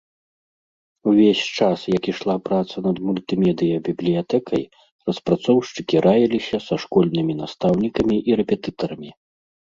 Увесь час, як ішла праца над мультымедыя-бібліятэкай, распрацоўшчыкі раіліся са школьнымі настаўнікамі і рэпетытарамі.